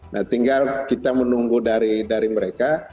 nah tinggal kita menunggu dari mereka